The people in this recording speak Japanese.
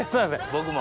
僕も。